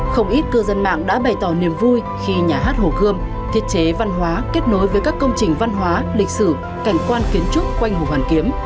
không ít cư dân mạng đã bày tỏ niềm vui khi nhà hát hồ gươm thiết chế văn hóa kết nối với các công trình văn hóa lịch sử cảnh quan kiến trúc quanh hồ hoàn kiếm